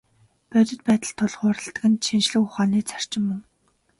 Бодит байдалд тулгуурладаг нь шинжлэх ухааны зарчим мөн.